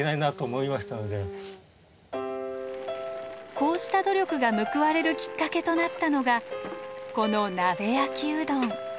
こうした努力が報われるきっかけとなったのがこの鍋焼きうどん。